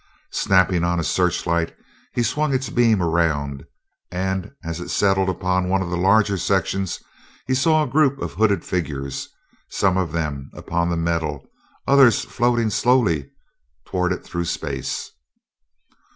Snapping on a searchlight, he swung its beam around, and as it settled upon one of the larger sections he saw a group of hooded figures; some of them upon the metal, others floating slowly toward it through space.